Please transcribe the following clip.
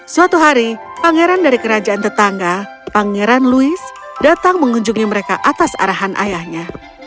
suatu hari pangeran dari kerajaan tetangga pangeran louis datang mengunjungi mereka atas arahan ayahnya